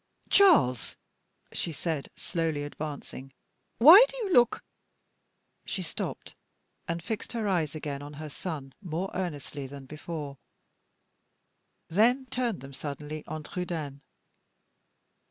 "Charles," she said, slowly advancing; "why do you look " She stopped, and fixed her eyes again on her son more earnestly than before; then turned them suddenly on Trudaine.